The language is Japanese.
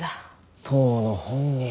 当の本人。